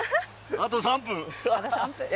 あと３分ね。